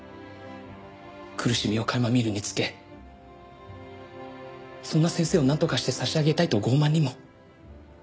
苦しみを垣間見るにつけそんな先生をなんとかして差し上げたいと傲慢にも。